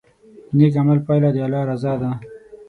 د نیک عمل پایله د الله رضا ده.